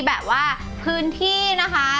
แบบว่าพื้นที่นะคะ